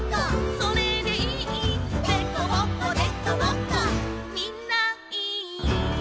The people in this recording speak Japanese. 「それでいい」「デコボコデコボコ」「みんないい」